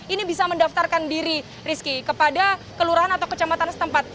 ini bisa mendaftarkan diri rizky kepada kelurahan atau kecamatan setempat